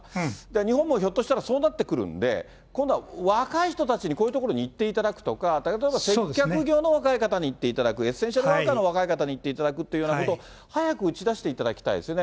日本もひょっとしたらそうなってくるんで、今度は若い人たちにこういう所に行っていただくとか、例えば、接客業の若い方に行っていただく、エッセンシャルワーカーの若い方に行っていただくっていうようなことを早く打ち出していただきたいですね。